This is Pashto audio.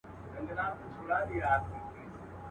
زه به ستا هېره که په یاد یم.